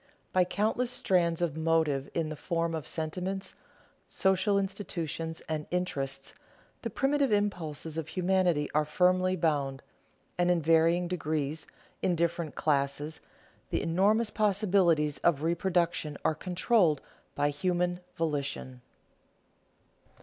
By countless strands of motive in the form of sentiments, social institutions, and interests, the primitive impulses of humanity are firmly bound; and in varying degrees, in different classes, the enormous possibilities of reproduction are controlled by human volition.